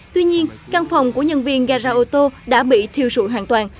tuy nhiên căn phòng của nhân viên gara ô tô đã bị thiêu dụi hoàn toàn